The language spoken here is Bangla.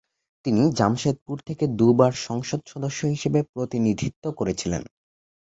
তিনি জামশেদপুর থেকে দু'বার সংসদ সদস্য হিসাবে প্রতিনিধিত্ব করেছিলেন।